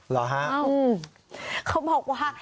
ล้อฮะข้าบอกว่า